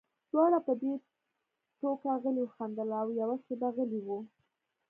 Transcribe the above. دواړو په دې ټوکه غلي وخندل او یوه شېبه غلي وو